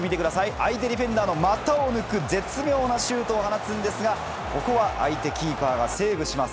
相手ディフェンダーの股を抜く絶妙なシュートを放つんですが、ここは相手キーパーがセーブします。